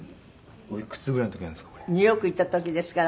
おいくつぐらいの時なんですか？